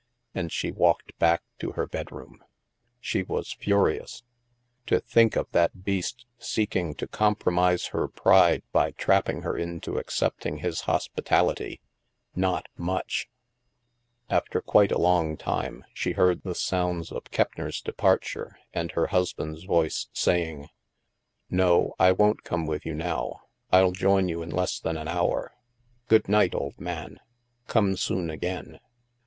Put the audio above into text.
And she walked back to her bedroom. She was furious. To think of that beast seek ing to compromise her pride by trapping her into accepting his hospitality ! Not much ! After quite a long time, she heard the sounds of Keppner's departure, and her husband's voice say ing: *^ No. I won't come with you now. Til join you in less than an hour. Good night, old man. Come soon again."